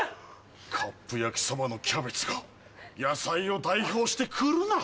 カップ焼きそばのキャベツが野菜を代表して来るな。